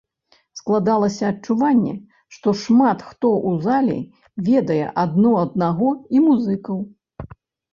Складалася адчуванне, што шмат хто ў залі ведае адно аднаго і музыкаў.